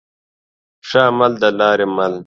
ښه عمل دلاري مل